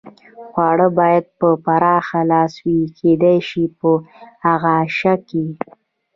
خواړه باید په پراخه لاس وي، کېدای شي په اعاشه کې.